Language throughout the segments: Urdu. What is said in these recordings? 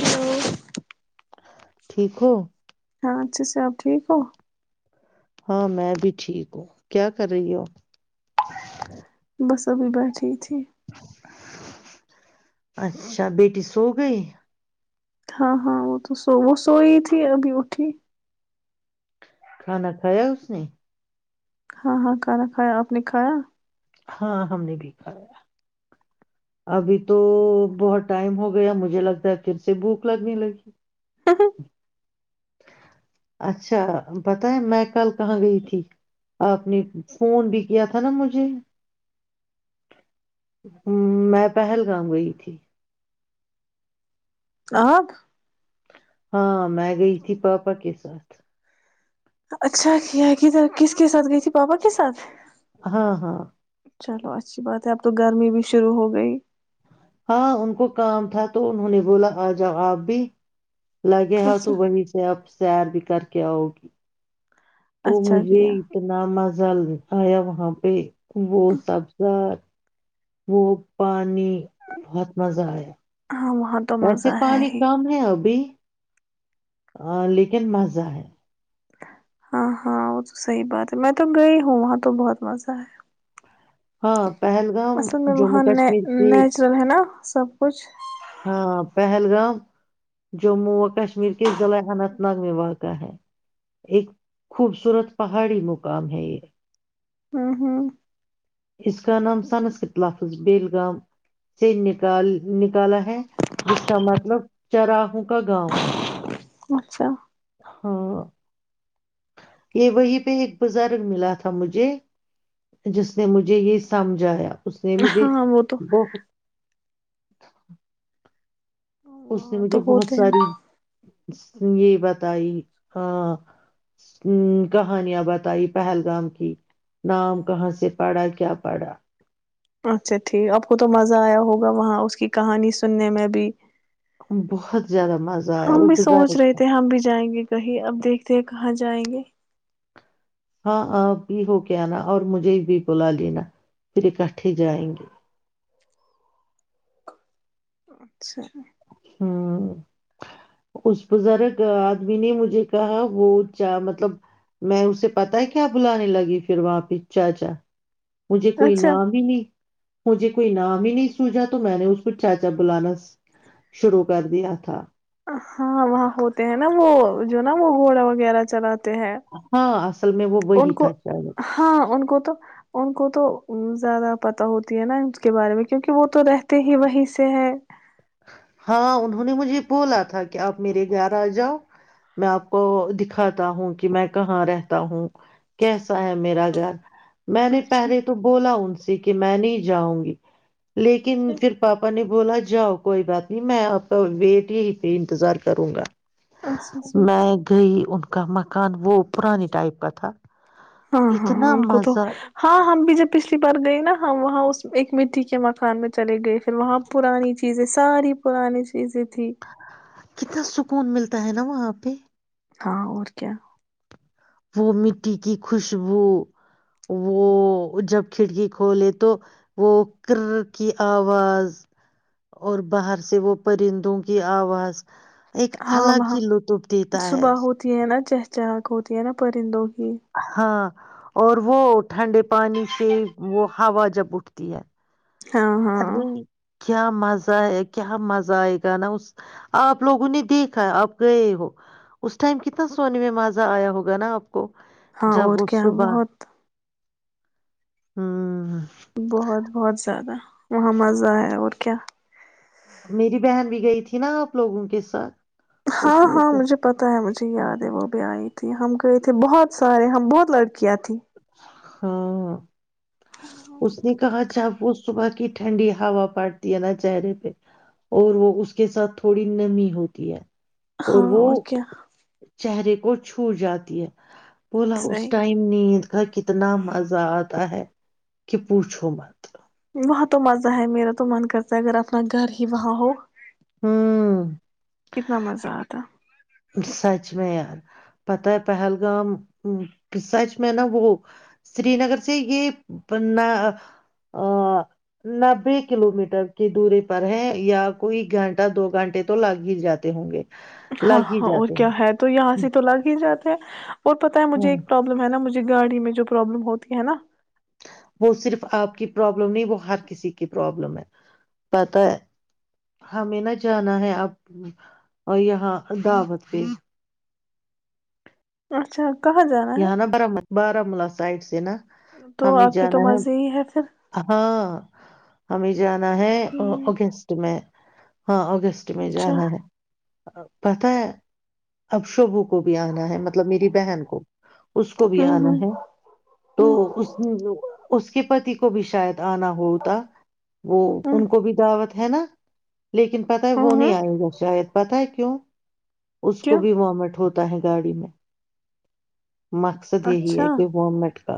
ہلو ٹھیک ہو اچھا سے آپ ٹھیک ہو ہاں میں بھی ٹھیک ہوں کیا کر رہی ہ ہو بس ابھی بات ٹ ہی ٹھییک اچھا بیٹی سو گئی ہاں ہاں وہ تو سو وہ سوئی تھی ابھی اٹھی کھانا کھایا اس نے ہاں ہاں کھانا کھایا آپ نے کھایا ہاں ہم نے بھی کھایا ابھی تو بہت ٹائم ہو گیا مجھے لگتا ہے پھر سے بھوک لگنے لگی [inaudible] اچھا پت ہے میں کل کہاں گئی تھی آپ نے فون بھی کیا تھا نا مجھے ہ میں پہلگام گئی تھی [inaudible] ہاں میں گئی تھی پاپا کے ساتھ اچھا کیا کدھر کس کے ساتھ گئی تھی پاپا کے ساتھ ہاں ہاں چلو اچھی بات ہے اب تو گرمی بھی شروع ہو گئی ہاں ان کو کام تھا تو انہوں نے بولا آ جاؤ آپ بھی لگے ہاں تو اچھا بنی ج آپ سیر بھی کر کے اوہ گی تو اچھا مجھے کیا اتنا مزا ل آیا وہاں پہ وہ سبزار وہ پانی بہت مزہ آیا ہاں وہاں تو ویسے مزہ ہے پانی ہی کم ہے ابھی لیکن مزہ ہے ہاں ہاں وہ تو صحیح بات ہے میں تو گئی ہوں وہاں تو بہت مزہ ہے ہاں پہلگام اصل میں جموں وہاں کشمیر کی نیچرل ہے نا سب کچھ ہاں پہلگام جموں و کشمیر کے ضلع اننت ناگ میں واقع ہے ایک خوبصورت پہاڑی مقام ہے یہ ہوں ہاں اس کا نام سنس کے تلفظ بیلگام سے ن نکالا ہے جس کا مطلب چراہوں کا گاؤں اچھا ہاں یہ وہی پہ ایک بزرگ ملا تھا مجھے جس نے مجھے یہ سمجھایا اس نے مجھے ہاں وہ تو بہت [inaudible] اس نے وہاں تو مجھے بہت ہوتے ہیں ساری یہ بتائی ہاں کہانیاں بتائی پہلگام کی نام کہاں سے پڑھا کیا پڑھا اچھا ٹھیک آپ کو تو مزہ آیا ہوگا وہاں اس کی کہانی سننے میں بھی بہت زیادہ مزہ آیا وہ ہم بھی بزرگ سوچ رہے تھے ہم بھی جائیں گے کہیں اب دیکھتے ہیں کہاں ج جائیں گے ہاں آپ بھی ہو کےناا اور مجھے بھی بلا لینا پھر اکٹھے جائیں گے اچھا ہوں اس بزرگ آدمی نے مجھے کہا وہ چا مطلب میں اسے پتا ہے کیا بلانے لگی پھر وہاں پہ چاچا مجھے کوئی اچھا نام ہی نہیں مجھے کوئی نام ہی نہیں سوجا تو میں نے اس کو چاچا بلانا شروع کر دیا تھا ہاں وہاں ہوتے ہیں نا وہ جو نا وہ گھوڑا وغیرہ چلاتا ہیں ہاں اصل میں وہ ان وہی کو تھا شاید ہاں ان کو تو ان کو تو زیادہ پتا ہوتی ہے نا اس کے بارے میں کیونکہ وہ تو رہتے ہی وہیں سے ہے ہاں انہوں نے مجھے بولا تھا کہ آپ میرے گھر آ جاؤ میں آپ کو دکھاتا ہوں کہ میں کہاں رہتا ہوں کیسا ہے میرا گھر میں نے اچھا پہلے تو بولا ان سے کہ میں نہیں جاؤں گی لیکن اچھا پھر پاپا نے بولا جاؤ کوئی بات ج میں آپ کا ویٹ ہی ہی پہ انتظار کروں گا اچھا میں گئی ان کا مکان وہ پرانی ٹائپ کا تھا ہاں ہاں اتنا ان کو تو مزہ ہاں ہم بھی جب پچھلی بار گئے نا ہم وہاں اس ایک مٹی کے مکان میں چلے گئے پھر وہاں پرانی چیزیں ساری پرانی چیزیں تھی کتنا سکون ملتا ہے نا وہاں پہ ہاں اور کیا وہ مٹی کی خوشبو وہ جب کھڑکی کھولے تو وہ کر کی آواز اور باہر سے وہ پرندوں کی آواز ایک ہاں الگ وہاں ہی لطف دیتا ہے صبح ہوتی ہے نا چہچہک ہوتی ہے نا پرند ہاں اور وہ ٹھنڈے پانی سے وہ ہوا جب اٹھتی ہے ہاں ہاں ارے کیا مزہ ہے کیا مزہ آئے گا نا اس آپ لوگوں نے دیکھا آپ گئے ہو اس ٹائم کتنا سونے میں مزہ آیا ہوگا نا آپ کو ہاں اور جب وہ کیا صبح بہت ہوں بہت بہت زیادہ وہحمزائ اور کیا میری بہن بھی گئی تھی نا آپ لوگوں کے ساتھ ہاں اس نے ہاں کہا مجھے پتا ہے مجھے یاد ہے وہ بھی آئی تھی تھی ہم گئے تھے بہت سارے ہم بہت لڑکیاں تھیں ہاں ہاں اس نے کہا اچھاپ وہ صبح کے کہ ٹھنڈی ہا پٹتی ہے نا چہرے پہ اور وہ اس کے ساتھ تھوڑی نمی ہوتی ہے ہاں اور کیا چہرے کو چھوٹ جاتی ہے بولاں ا صحیح ائم نیند کا کتنا مزہ آتا ہے کہ پوچھ مت وہاں تو مزہ ہے میرا تو من کرتا اگر اپنا گھر ہی وہاں ہو ہوں کتنا مزہ آتا سچ میں یار پت ہے پہلگام سچ میں نا وہ سری نگر سے یہ نبے کلو میٹر کی دوری پر ہے یا کوئی گھنٹہ دو گھنٹے تو لگ ہی جاتے ہوں گے ہاں لگ ہی ہاں اور جاتے کیا ہیں ہے تو یہاں سے تو لگ ہی جاتے ہیں اور پتتا ہ ہےجھے ایک پرابلم ہے نا مھے گاڑی میں جو پروابلم ہوتی ہے نا وہ صرف آپ کی پرابلم نہیں وہ ہر کسی کی پرابلم ہے پتہ ہے ہمیں نہ جانا ہے آپ یہاں دعوت پہ اچھا کہاں جانا ہے یہاں نا بار بارامولہ سائڈ سے نا تو ہمیں آپ کے تو جانا ہے مزے ہی پھر ہاں ہمیں جانا ہے ہوں، اگینسٹ میں ہاں اگست میں اچھا جانا ہے پت ہے اب شبو کو بھی آنا ہے مطلب میری بہن کو اس کو بھی آنا ہے تو اس نے جو اس کے پتی کو بھی شاید آنا ہوتا وہ ان کو بھی دعوت ہے نا لیکن پتہ ہے وہ ہاں نہیں آئےیں گا شاید پت ہے کیوں اس کو کیوں بھی وہ مٹ ہوتا ہوتا ہے گاڑی میں مقصد یہی اچھا ہے کہ و مٹ کا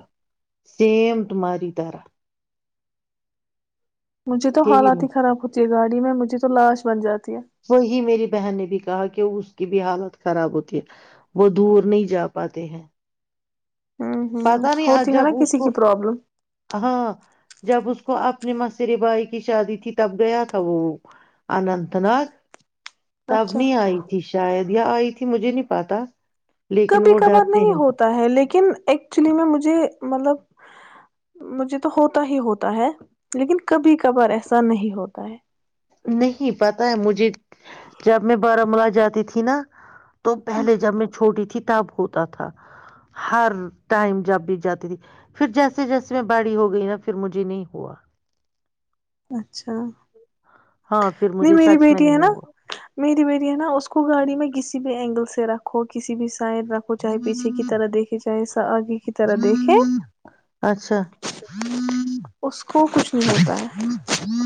سیم تمہاری طرح مجھے تو یہی حالات میں ہی خراب ہوتی یہ گاڑی میں مجے تو لاش بن جاتی ہے وہی میری بہن نے بھی کہا کہ اس کی بھی حالت خراب ہوتی ہے وہ دور نہیں جا پاتے ہیں ہوں ہوں پتا نہیں ہوتی ہے نا جب اس کسی کو کی پرابلم ہاں جب اس کو کو اپنے مسرے بائی کی شادی تھی تب گیا تھا وہ اننت نگ تب اچھا نہیں آئی تھی شاید آئی تھی مجھے نہیں پاتا کبھی کبار نہیں ہوتا ہے لیکن ایک ایکچولی میں مجھے مطلب مجھے تو ہوتا ہی ہوتا ہے لیکن کبھی کبھار ایسا نہیں ہوتا ہے نہیں پتا ہے مجھے جب میں بارامولہ جاتی تھی نا تو پہلے جب میں چوٹی ت تاب ہوتا تھا ہر ٹائم جب بھی جاتی تھی پھر جیسے جیسے میں باڑی ہو گئی نا پھر مجھے نہیں ہوا اچھا ہاں پھر نہیں مجھے میری سچ میں بیٹی ہے نہیں نا ہوا میری بیٹی ہے نا اس کو گاڑی میں گسی کسی بھی اینگل سے رکھو کسی بھی سائن رکھو چاہے پیھے کی طرح دیکھے چاہے آگے کی طرح دیکھیں اچھا اس کو کو کچھ نہیں ہوتا ہے ہ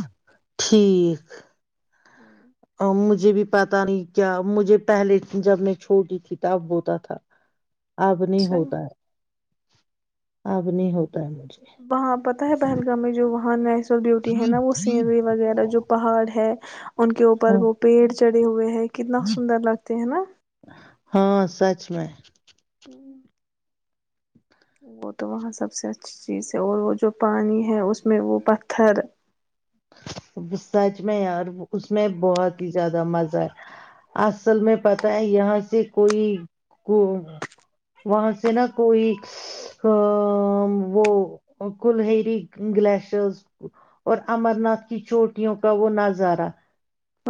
ٹھیک ہوں [inaudible] مجھے بھی پتا نہیں کیا مجھے پہلے جب میں چھوٹی تھی تب ہوتا تھا اب نہیں اچھا ہوتا ہے اب نہیں ہو [inaudible] وہاں پتاہ ہے پہلگام میں جو وہاں ہاں [inaudible] بیوٹی ہے نا وہ سینری وغیرہ جو پہاڑ ہے ان کے اوپر ہاں وہ پیڑ چڑے ہوئے ہیں کتنا سندر لگتے ہیں نا ہاں سچ میں وہ تو وہاں سب سے اچھی چیز ہے اور وہ جو پانی ہے اس میں وہ پتھر [inaudible] سچ میں یار اس میں بہت ہی زیادہ مزہ ہے اصل میں پتا ہے یہاں سے کوئی وہاں سے نا کوئی وہ کلہری گلیشرس اور امر ناتھ کی چوٹیوں کا وہ نظارہ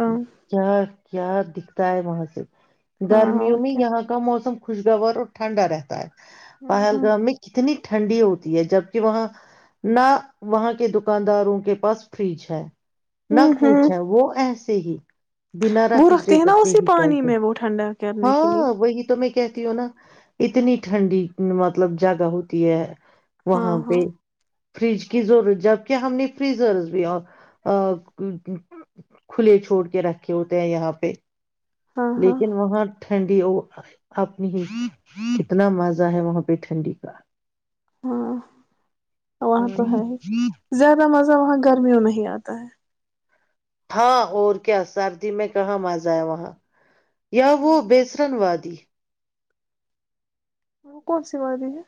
ہاں کیا [inaudible] کیا دکھتا ہے وہاں سے ہاں گرمیوں اور میں کیا یہاں کا موسم خوشگوار اور ٹھنڈا رہتا ہے ہاں پل ہاں گ میں کتنی ٹھنڈی ہوتی ہے جبک وہاں نہ وہاں کے دکانداروں کے پاس فریج ہے نہ ہوں ہوں کچھ ہے وہ ایسا [inaudible] ص ہی بنا وہ راکچ رکھتے ڈے ہیں کر نا کے اسی ہی پانی چلتے میں وہ ٹھنڈا کرنے کے لیے ہاں وہی تو میں کہتی ہوں نا اتنی ٹھنڈی مطلب جگہ ہوتی ہے ہاں وہاں ہاں پہ فریج کی ضرورت جبک ہم نے فریزر بھی کھلے چھوڑ کے رکھے ہوتے ہیں یہاں پہ ہاں ہاں لیکن وہاں [inaudible] ٹھنڈی وہ اپنی ہی کتنا مزہ ہے وہاں پہ ٹھنڈی کا ہاں [inaudible] وہاں تو ہے ہی زیادہ مزہ وہاں گرمیوں نہیں آتا ہے ہاں اور کیا سردی میں کہاں مزا ہے وہاں یا وہ نہیں بیسرن وادی [inaudible] ہم کون سی ب رہی ہے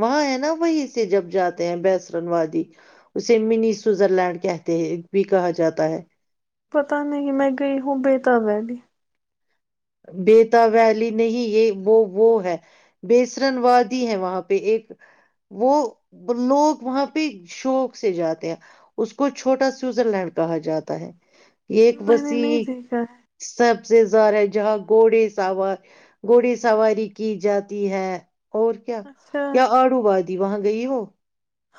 وہاں ہے نا وہیں سے جب جاتے ہیں بسرن وادی اسے منی سوزرلینڈ کہتے ہیں بھی کہا جاتا ہے پتا نہیں میں گئی ہوں بیےتا ویلی بیتا ویلی نہیں یہ وہ وہ ہے بیسرن وادی ہے وہاں پہ ایک وہ لوگ وہاں پہ شوق سے جاتے ہیں اس کو چھوٹا سویزر لینڈ کہا جاتا ہے یہ ایک میں نے نہیں جی دیکھا سب سے سارے جہاں گھڑے سواری گھڑے سواری کی جاتی ہے اور کیا ہے اچھا یا آڑو وادی وہاں گئی ہو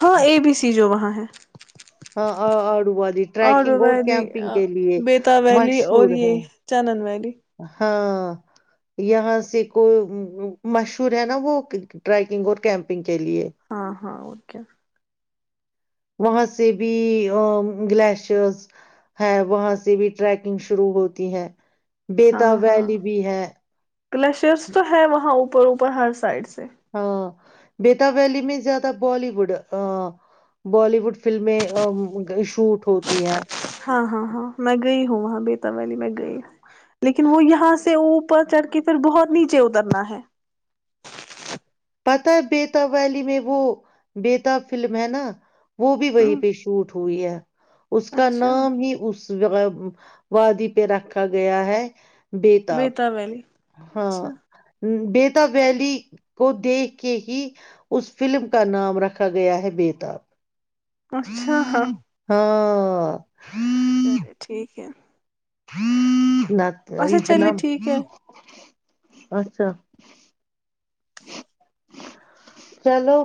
ہاں اے بی سی جو وہاں ہے ہاں آڑو والادی ٹریکنگ آڈو اور ویلی کیمپنگ کے لیے بیتا ویلی اور مشہور ہے یہ چنن ویلی ہاں ہاں یہاں سے کو مشہور ہے نا وہ ٹریکنگ اور کیمپنگ کے لیے ہاں ہاں اوکے وہاں سے بھی گلیشرز ہے وہاں سے بھی ٹریکنگ شروع ہوتی ہے بیتاب ہاں ہاں ویلی بھی ہے اوپروپر ہر سائڈ سے ہاں بیتا ویلی میں زیادہ بالی ووڈ بالی ووڈ فلمیں شوٹ ہوتی ہیں ہاں ہاں ہاں میں گئی ہوں وہاں بیتا ویلی میں گئی ہوں لیکن وہ یہاں سے اوپر چڑھ کے پھر بہت نیچے اترنا ہے پتا ہے بیتا ویلی میں وہ بیتاب فلم ہے نا وہ بھی ہ وہیں پہ شوٹ ہوئی ہے اس کا اچھا نام ہی اس وہ وادی پہ رکھا گیا ہے بیتاب بیتا ویلی ہاں اچھا بیتاب ویلی کو دیکھ کے ہی اس فلم کا نام رکھا گیا ہے بیتاب اچھا ہاں ہاں چلے ٹھیک ہے [inaudible] ل اچھا یہ تونا چلیے ٹھیک ہے اچھا چلو